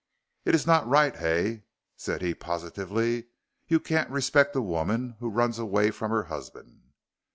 "It's not right, Hay," said he, positively; "you can't respect a woman who runs away from her husband."